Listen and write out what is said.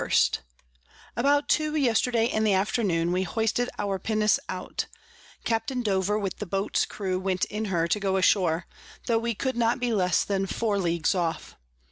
_ About two yesterday in the Afternoon we hoisted our Pinnace out; Capt Dover with the Boats Crew went in her to go ashore, tho we could not be less than 4 Ls. off.